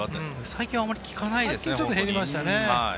最近あまり聞かないですね。